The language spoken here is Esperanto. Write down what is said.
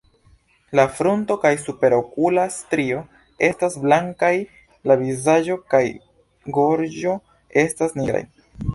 La frunto kaj superokula strio estas blankaj; la vizaĝo kaj gorĝo estas nigraj.